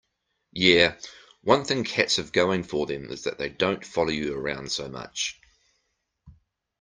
Yeah, one thing cats have going for them is that they don't follow you around so much.